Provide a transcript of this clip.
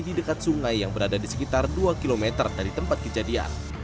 di dekat sungai yang berada di sekitar dua km dari tempat kejadian